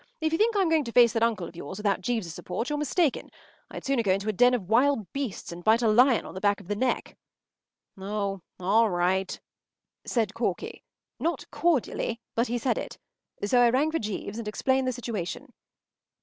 If you think I am going to face that uncle of yours without Jeeves’s support, you’re mistaken. I’d sooner go into a den of wild beasts and bite a lion on the back of the neck.” “Oh, all right,” said Corky. Not cordially, but he said it; so I rang for Jeeves, and explained the situation.